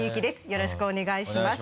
よろしくお願いします。